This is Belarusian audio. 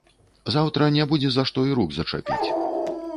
Заўтра не будзе за што і рук зачапіць.